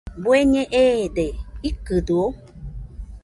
¿Bueñe eede?, ¿ikɨdɨo?